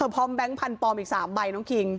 แบงค์พันธุ์ปลอมอีก๓ใบน้องคิง